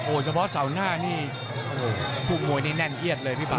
เฉพาะเสาร์หน้านี่โอ้โหคู่มวยนี่แน่นเอียดเลยพี่ป่า